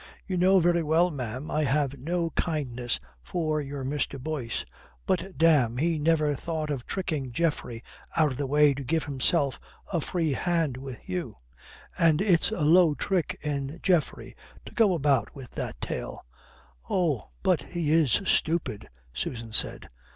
You know very well, ma'am, I have no kindness for your Mr. Boyce. But, damme, he never thought of tricking Geoffrey out of the way to give himself a free hand with you. And it's a low trick in Geoffrey to go about with that tale." "Oh! But he is stupid," Susan said.